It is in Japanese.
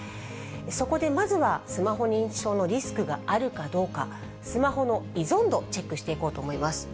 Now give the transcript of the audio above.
そこでまずは、スマホ認知症のリスクがあるかどうか、スマホの依存度チェックしていこうと思います。